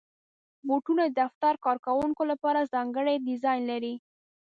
بوټونه د دفتر کارکوونکو لپاره ځانګړي ډیزاین لري.